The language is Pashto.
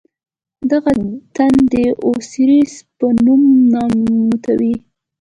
دغه تن د اوسیریس په نوم نامتوو.